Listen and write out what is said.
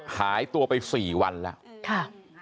หายตัวไป๔วันแล้ว